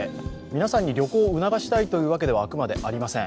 皆さんに旅行を促したいというわけではあくまでありません。